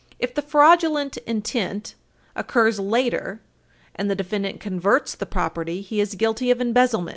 If the fraudulent intent occurs later, and the defendant converts the property, he is guilty of embezzlement.